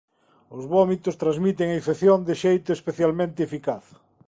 Os vómitos transmiten a infección de xeito especialmente eficaz.